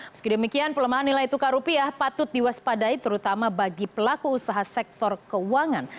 meski demikian pelemahan nilai tukar rupiah patut diwaspadai terutama bagi pelaku usaha sektor keuangan